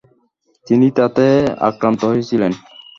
তিনি তাতে আক্রান্ত হয়েছিলেন।